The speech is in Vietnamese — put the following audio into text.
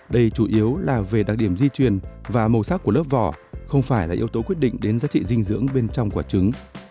đây chủ yếu là về đặc điểm di truyền và màu sắc của lớp vỏ không phải là yếu tố quyết định đến giá trị dinh dưỡng bên trong quả trứng